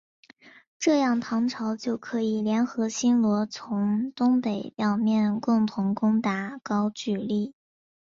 这样唐朝就可以联合新罗从南北两面共同攻打高句丽。